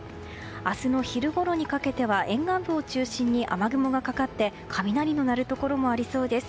明日の昼ごろにかけては沿岸部を中心に雨雲がかかって雷の鳴るところもありそうです。